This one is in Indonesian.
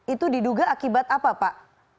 itu diduga akibat apa pak